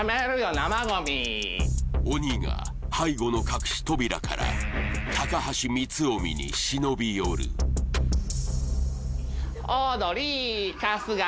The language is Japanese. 生ゴミ鬼が背後の隠し扉から高橋光臣に忍び寄るオードリー春日